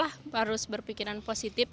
harus berpikiran positif